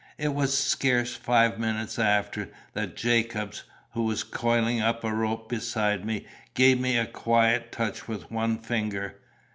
It was scarce five minutes after, that Jacobs, who was coiling up a rope beside me, gave me a quiet touch with one finger.